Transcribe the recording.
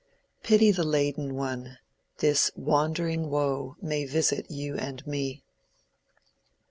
Pity the laden one; this wandering woe May visit you and me.